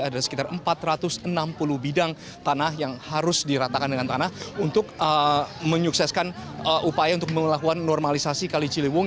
ada sekitar empat ratus enam puluh bidang tanah yang harus diratakan dengan tanah untuk menyukseskan upaya untuk melakukan normalisasi kali ciliwung